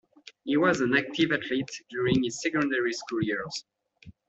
He was an active athlete during his secondary school years.